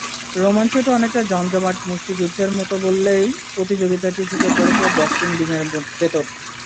রোমাঞ্চটা অনেকটা জমজমাট মুষ্টিযুদ্ধের মতো বলেই প্রতিযোগিতাটি ঢুকে পড়েছে বক্সিং রিংয়ের ভেতর।